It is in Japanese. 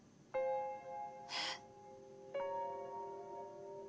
えっ？